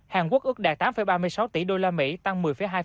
hàn quốc ước đạt tám ba mươi sáu tỷ đô la mỹ tăng một mươi hai